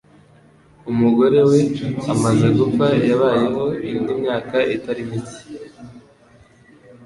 Umugore we amaze gupfa, yabayeho indi myaka itari mike.